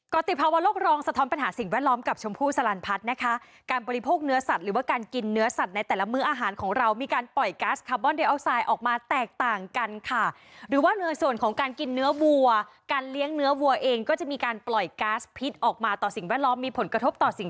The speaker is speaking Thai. ติภาวะโลกรองสะท้อนปัญหาสิ่งแวดล้อมกับชมพู่สลันพัฒน์นะคะการบริโภคเนื้อสัตว์หรือว่าการกินเนื้อสัตว์ในแต่ละมื้ออาหารของเรามีการปล่อยก๊าซคาร์บอนเดอัลไซด์ออกมาแตกต่างกันค่ะหรือว่าในส่วนของการกินเนื้อวัวการเลี้ยงเนื้อวัวเองก็จะมีการปล่อยก๊าซพิษออกมาต่อสิ่งแวดล้อมมีผลกระทบต่อสิ่ง